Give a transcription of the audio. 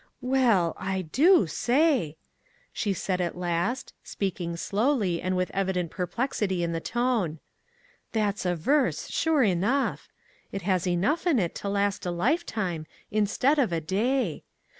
" Well, I do say !" she said at last, speak ing slowly, and with evident perplexity in the tone. " That's a verse, sure enough ! It has enough in it to last a lifetime, instead of a day.